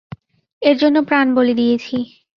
এর জন্য প্রাণ বলি দিয়েছি!